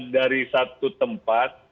dari satu tempat